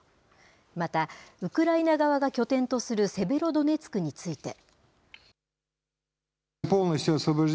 また、ウクライナ側が拠点とするセベロドネツクについて。